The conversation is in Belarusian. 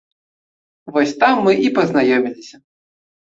Вось там мы і пазнаёміліся.